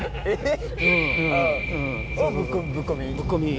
えっ！